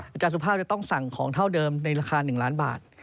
อาจารย์สุภาพจะต้องสั่งของเท่าเดิมในราคา๑ล้านบาท